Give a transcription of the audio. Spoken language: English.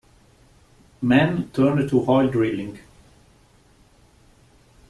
Mann turned to oil drilling.